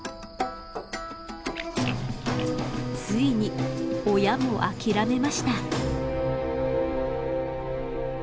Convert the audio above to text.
ついに親も諦めました。